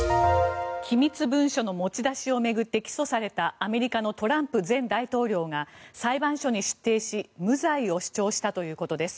機密文書の持ち出しを巡って起訴されたアメリカのトランプ前大統領が裁判所に出廷し無罪を主張したということです。